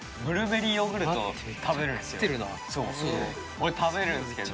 俺食べるんですけど。